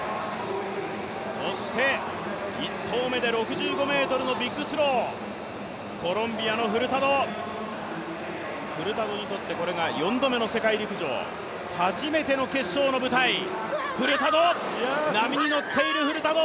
そして１投目で６５ｍのビッグスロー、コロンビアのフルタド、フルタドにとってこれが４度目の世界陸上、初めての決勝の舞台、波に乗っているフルタド。